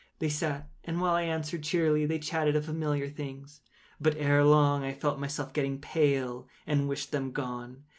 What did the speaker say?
They sat, and while I answered cheerily, they chatted of familiar things. But, ere long, I felt myself getting pale and wished them gone.